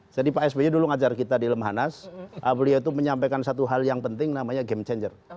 jadi pak sby dulu ngajar kita di lemhanas beliau itu menyampaikan satu hal yang penting namanya game changer